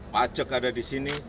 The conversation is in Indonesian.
pajak ada di sini